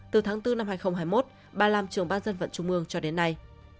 từ tháng bốn hai nghìn hai mươi một bà làm trưởng ban dân vận trung mương cho đến nay